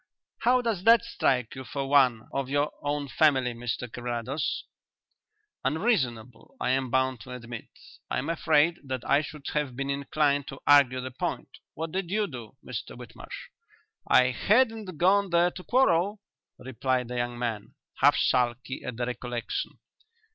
How does that strike you for one of your own family, Mr Carrados?" "Unreasonable, I am bound to admit. I am afraid that I should have been inclined to argue the point. What did you do, Mr Whitmarsh?" "I hadn't gone there to quarrel," replied the young man, half sulky at the recollection.